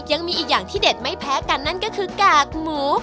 ยังมีอีกอย่างที่เด็ดไม่แพ้กันนั่นก็คือกากหมู